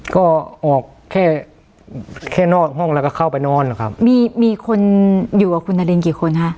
ก็ออกแค่แค่นอกห้องแล้วก็เข้าไปนอนนะครับมีมีคนอยู่กับคุณนารินกี่คนฮะ